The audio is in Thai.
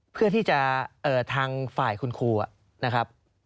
เพื่อที่จะทางฝ่ายคุณครูนะครับ